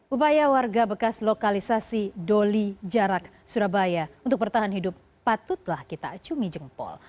upaya warga bekas lokalisasi doli jarak surabaya untuk bertahan hidup patutlah kita acumi jempol